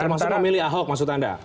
termasuk memilih ahok maksud anda